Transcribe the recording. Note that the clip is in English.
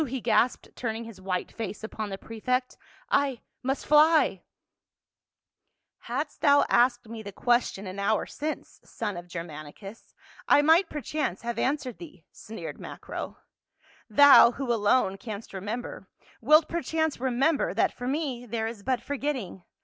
he gasped, turning his white face upon the prefect. " I — must fly !"" Hadst thou asked me the question an hour since, son of Germanicus, I might perchance have answered thee," sneered Macro. " Thou, who alone canst re member, wilt perchance remember that for me there is but forgetting.